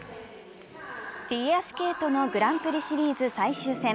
フィギュアスケートのグランプリシリーズ最終戦。